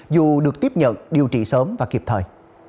dù được tiếp nhận điều trị sớm và kịp thời